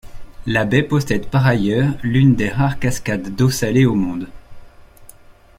La baie possède par ailleurs l'une des rares cascades d'eau salée au monde.